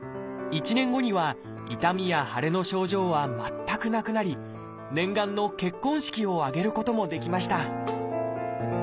１年後には痛みや腫れの症状は全くなくなり念願の結婚式を挙げることもできました